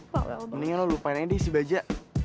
mendingan lo lupain aja deh si baja